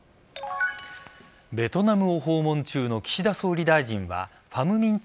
ベトナムを訪問中の岸田総理大臣はファム・ミン・